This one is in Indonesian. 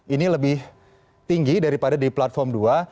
ini lebih tinggi daripada di platform dua